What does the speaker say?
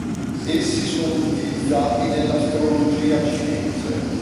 Essi sono utilizzati nell'astrologia cinese.